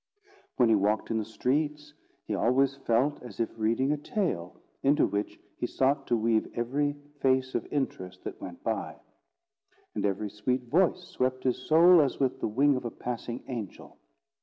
When he walked in the streets, he always felt as if reading a tale, into which he sought to weave every face of interest that went by; and every sweet voice swept his soul as with the wing of a passing angel.